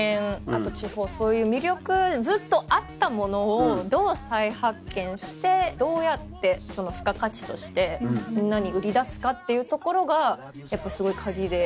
あと地方そういう魅力ずっとあったものをどう再発見してどうやって付加価値としてみんなに売り出すかっていうところがやっぱすごいカギで。